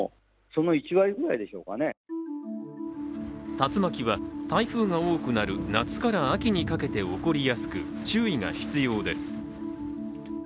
竜巻は台風が多くなる夏から秋にかけて起こりやすく、注意が必要です。